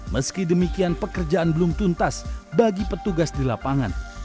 meski demikian pekerjaan belum tuntas bagi petugas di lapangan